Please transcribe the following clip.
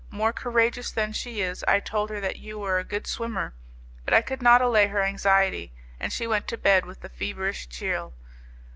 More courageous than she is, I told her that you were a good swimmer, but I could not allay her anxiety, and she went to bed with a feverish chill.